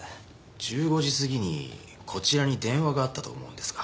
１５時過ぎにこちらに電話があったと思うんですが。